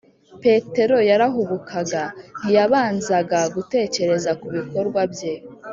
petero yarahubukaga; ntiyabanzaga gutekereza ku bikorwa bye